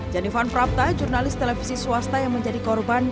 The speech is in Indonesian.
janifan prapta jurnalis televisi swasta yang menjadi korban